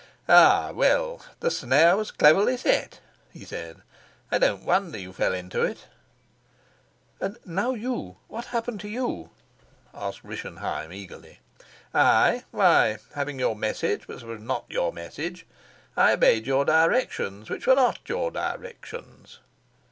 "Ah, well, the snare was cleverly set," he said. "I don't wonder you fell into it." "And now you? What happened to you?" asked Rischenheim eagerly. "I? Why, having your message which was not your message, I obeyed your directions which were not your directions."